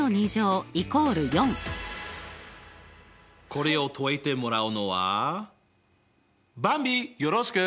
これを解いてもらうのはばんびよろしく。